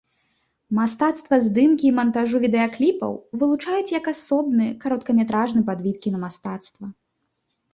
Мастацтва здымкі і мантажу відэакліпаў вылучаюць як асобны кароткаметражны падвід кінамастацтва.